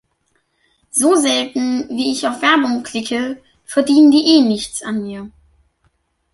So selten, wie ich auf Werbung klicke, verdienen die eh nichts an mir.